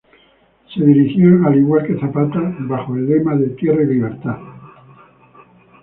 Se dirigían al igual que Zapata, bajo el lema de "Tierra y Libertad"